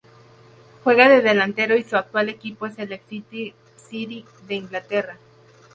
Juega de delantero y su actual equipo es el Exeter City de Inglaterra.